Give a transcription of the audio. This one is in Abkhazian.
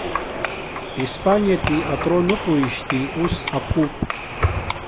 Испаниатәи атрон ыҟоуижьҭеи ус аԥуп.